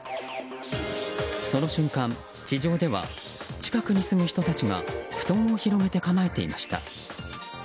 その瞬間、地上では近くに住む人たちが布団を広げて構えていました。